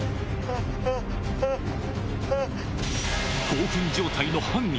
興奮状態の犯人。